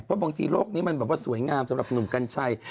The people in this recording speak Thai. พอบางทีโลกนี้เร็วสวยงามสำหรับนุ่งกันชาย